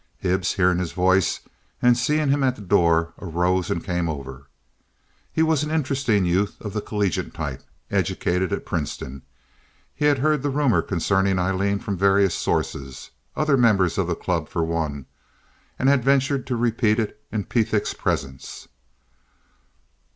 Hibbs, hearing his voice and seeing him in the door, arose and came over. He was an interesting youth of the collegiate type, educated at Princeton. He had heard the rumor concerning Aileen from various sources—other members of the club, for one—and had ventured to repeat it in Pethick's presence.